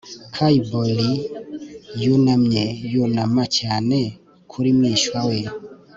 kai borie yunamye yunama cyane kuri mwishywa we